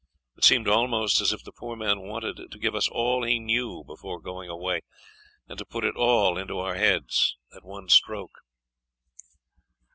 It seemed almost as if the poor man wanted to give us all he knew before going away, and to put it all into our heads at one stroke.